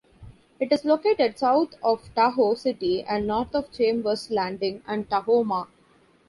It is located south of Tahoe City and north of Chambers Landing and Tahoma.